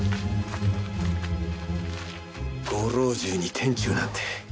ご老中に天誅なんて。